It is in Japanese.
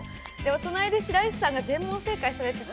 隣で白石さんが全問正解されてて。